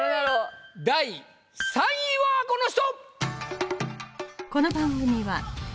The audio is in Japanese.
第３位はこの人！